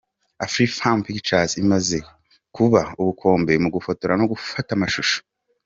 Afrifame Pictures imaze kuba ubukombe mu gufotora no gufata amashusho.